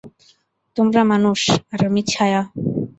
তোমরা মানুষ, আর আমি ছায়া।